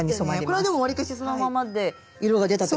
これはでもわりかしそのままで色が出たって感じですね。